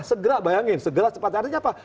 segera bayangin segera cepatnya artinya apa